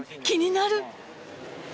気になる！